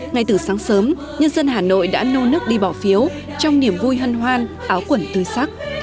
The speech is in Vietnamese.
ngay từ sáng sớm nhân dân hà nội đã nô nức đi bỏ phiếu trong niềm vui hân hoan áo quần tươi sắc